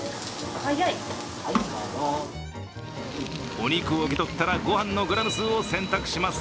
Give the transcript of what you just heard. お肉を受け取ったらご飯のグラム数を選択します。